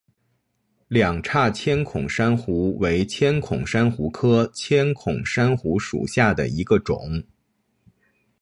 两叉千孔珊瑚为千孔珊瑚科千孔珊瑚属下的一个种。